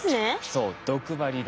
そう毒針です。